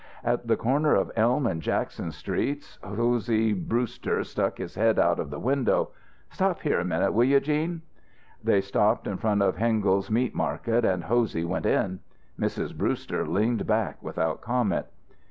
At the corner of Elm and Jackson Streets Hosey Brewster stuck his head out of the window. "Stop here a minute, will you, 'Gene?" They stopped in front of Hengel's meat market, and Hosey went in. Mrs. Brewster leaned back without comment.